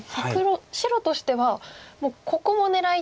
白としてはもうここも狙いたいし。